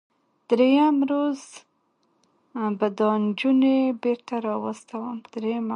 دریم روز به دا نجونې بیرته راواستوم.